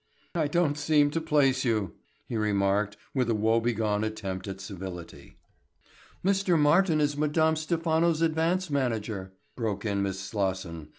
"I don't seem to place you," he remarked with a woebegone attempt at civility. "Mr. Martin is Madame Stephano's advance manager," broke in Miss Slosson.